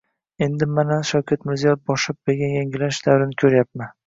endi, mana, Shavkat Mirziyoyev boshlab bergan yangilanish davrini ko‘ryapman